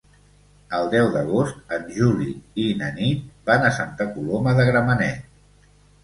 El deu d'agost en Juli i na Nit van a Santa Coloma de Gramenet.